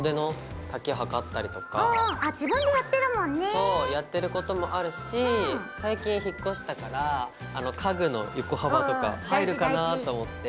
そうやってることもあるし最近引っ越したから家具の横幅とか「入るかな？」と思って。